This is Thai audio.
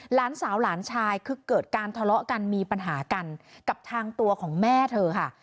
หลานสาวหลานชายคือเกิดการทะเลาะกันมีปัญหากันกับทางตัวของแม่เธอค่ะ